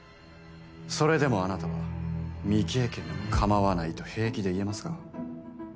それでもあなたは未経験でもかまわないと平気で言えますか？